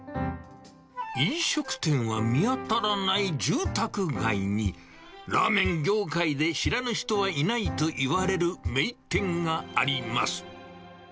飲食店は見当たらない住宅街に、ラーメン業界で知らぬ人はいないといわれる名店があります。